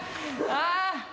ああ！？